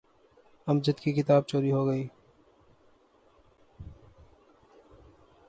امجد کی کتاب چوری ہو گئی۔